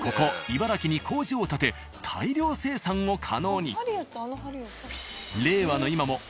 茨城に工場を建て大量生産を可能に。